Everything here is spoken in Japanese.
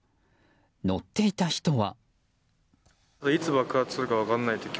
乗っていた人は。